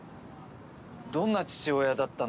どんな父親だったのか